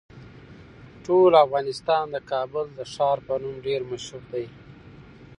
ټول افغانستان د کابل د ښار په نوم ډیر مشهور دی.